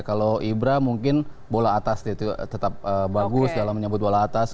kalau ibra mungkin bola atas tetap bagus dalam menyebut bola atas